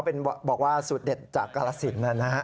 เขาบอกว่าสุดเด็ดจากกละสินนะ